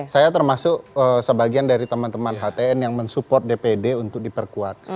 saya termasuk sebagian dari teman teman htn yang mensupport dpd untuk diperkuat